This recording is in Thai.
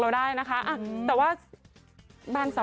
ได้ไง